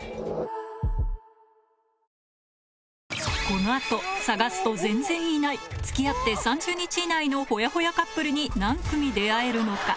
この後探すと全然いない付き合って３０日以内のほやほやカップルに何組出会えるのか？